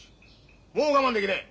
もう我慢できねえ。